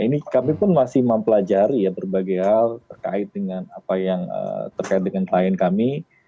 ini kami pun masih mempelajari ya berbagai hal terkait dengan apa yang terkait dengan klien kami